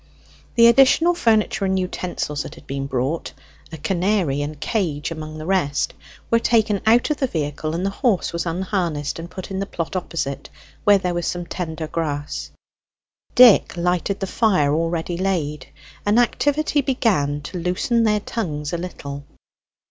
The additional furniture and utensils that had been brought (a canary and cage among the rest) were taken out of the vehicle, and the horse was unharnessed and put in the plot opposite, where there was some tender grass. Dick lighted the fire already laid; and activity began to loosen their tongues a little.